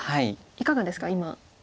いかがですか今。